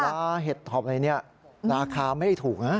แล้วเห็ดถอบในนี้ราคาไม่ถูกนะ